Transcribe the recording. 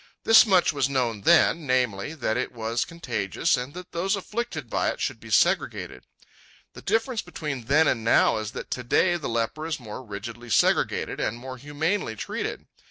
This much was known then, namely, that it was contagious and that those afflicted by it should be segregated. The difference between then and now is that to day the leper is more rigidly segregated and more humanely treated.